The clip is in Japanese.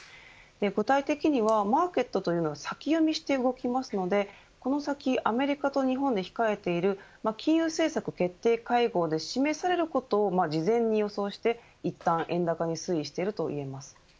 具体的にはマーケットというのは先読みして動きますのでこの先アメリカと日本で控えている金融政策決定会合で示されることを事前に予想していったん円高に推移しているといえます。